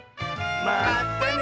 まったね！